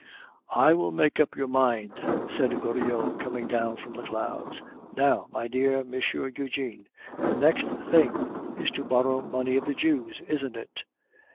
"I will make up your mind," said Goriot, coming down from the clouds. "Now, my dear M. Eugene, the next thing is to borrow money of the Jews, isn't it?"